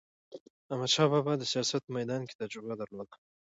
احمدشاه بابا د سیاست په میدان کې تجربه درلوده.